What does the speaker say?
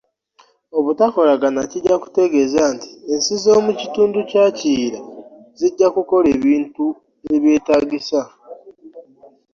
Obutakolagana kijja kutegeeza nti ensi z’omu Kitundu kya Kiyira zijja kukola ebintu ebyetaagisa.